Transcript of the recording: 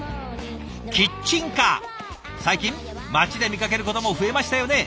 最近街で見かけることも増えましたよね。